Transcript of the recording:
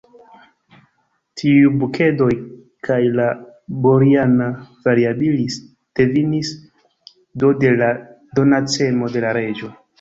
Tiuj bukedoj kaj la _Boriana variabilis_ devenis do de la donacemo de la Reĝo.